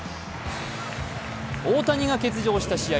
大谷が欠場した試合